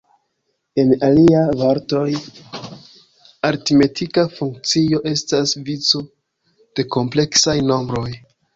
En alia vortoj, aritmetika funkcio estas vico de kompleksaj nombroj.